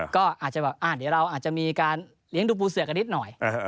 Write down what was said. ก็อาจจะแบบเดี๋ยวเราอาจจะมีการเลี้ยงดูปูเสือกันนิดหน่อย